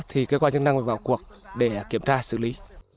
thì cơ quan nhân đang vào cuộc để kiểm tra xử lý